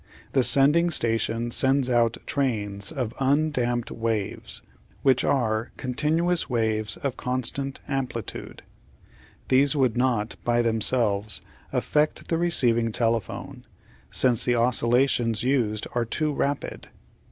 The sending station sends out trains of undamped waves, which are continuous waves of constant amplitude. These would not, by themselves, affect the receiving telephone, since the oscillations used are too rapid.